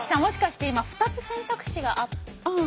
もしかして今２つ選択肢があって。